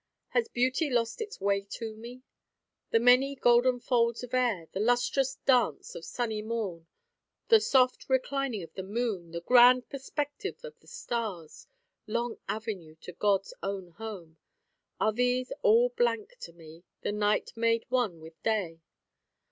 Has beauty lost its way to me? The many golden folds of air, the lustrous dance of sunny morn, the soft reclining of the moon, the grand perspective of the stars (long avenue to God's own home), are these all blank to me, and night made one with day?